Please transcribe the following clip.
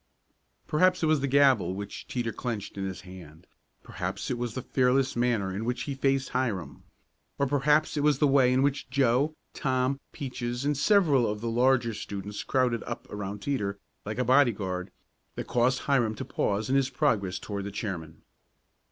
Perhaps it was the gavel which Teeter clenched in his hand, perhaps it was the fearless manner in which he faced Hiram, or perhaps it was the way in which Joe, Tom, Peaches and several of the larger students crowded up around Teeter, like a bodyguard, that caused Hiram to pause in his progress toward the chairman.